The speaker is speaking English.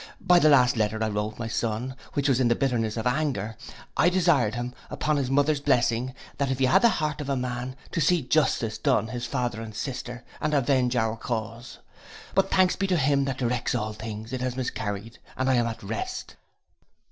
By the last letter I wrote my son, which was in the bitterness of anger, I desired him, upon his mother's blessing, and if he had the heart of a man, to see justice done his father and sister, and avenge our cause. But thanks be to him that directs all things, it has miscarried, and I am at rest.